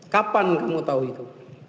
kapan kamu tahu itu